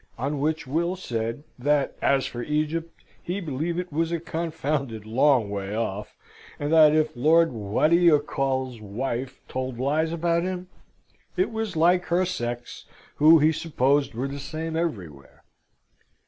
On which Will said that, as for Egypt, he believed it was a confounded long way off; and that if Lord What d'ye call's wife told lies about him, it was like her sex, who he supposed were the same everywhere.